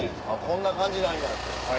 こんな感じなんやって。